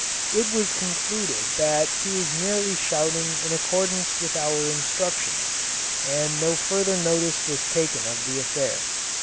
It was concluded that he was merely shouting in accordance with our instructions, and no further notice was taken of the affair.